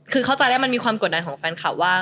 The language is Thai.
คือเข้าใจได้มันมีความกดดันของแฟนคลับว่า